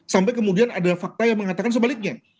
sampai kemudian ada fakta yang mengatakan sebaliknya